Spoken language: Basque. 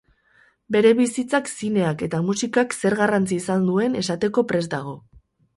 Bere bizitzak zineak eta musikak zer garrantzi izan duen esateko prest dago.